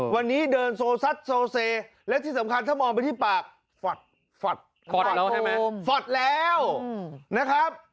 วันนี้เดินโซซัดโซเซและที่สำคัญถ้ามองไปที่ปากแล้วใช่ไหมฟอดแล้วนะครับ